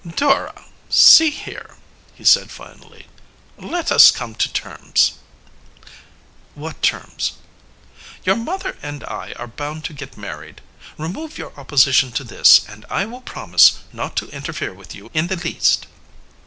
"Dora, see here," he said finally. "Let us come to terms." "What terms?" "Your mother and I are bound to get married. Remove your opposition to this, and I will promise not to interfere with you in the least.